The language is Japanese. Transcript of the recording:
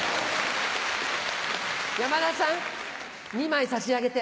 山田さん２枚差し上げて。